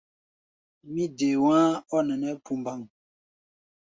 Mí dee wá̧á̧-ɔ-nɛnɛ́ pumbaŋ.